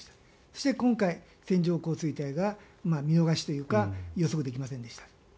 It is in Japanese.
そして、今回線状降水帯が見逃しというか予測できませんでした。